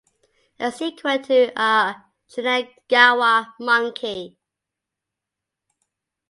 A sequel to "A Shinagawa Monkey".